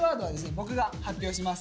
僕が発表します。